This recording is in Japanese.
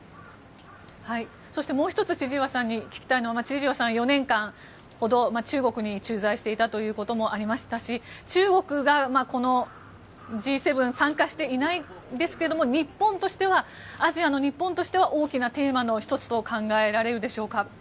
そしてもう１つ千々岩さんに聞きたいのは千々岩さん、４年間ほど中国に駐在していたこともありましたし中国は、Ｇ７に参加していないんですけれどもアジアの日本としては大きなテーマの１つと考えられるでしょうか。